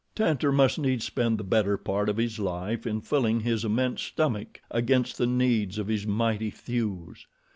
Tantor must needs spend the better part of his life in filling his immense stomach against the needs of his mighty thews.